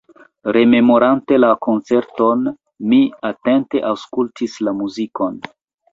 Rememorante la koncerton, mi atente aŭskultis la muzikon.